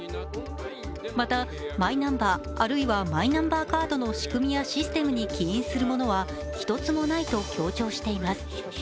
またマイナンバーあるいはマイナンバーカードの仕組みやシステム起因するものは一つもないと強調しています。